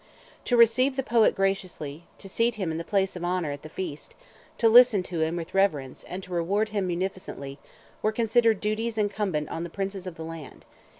To receive the poet graciously, to seat him in the place of honour at the feast, to listen to him with reverence, and to reward him munificently, were considered duties incumbent on the princes of the land.